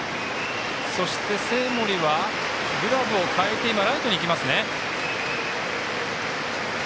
そして、生盛はグラブを替えて今、ライトに行きましたね。